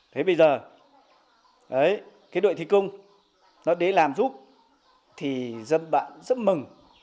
thế bây giờ cái đội thi công nó đến làm giúp thì dân bạn rất mừng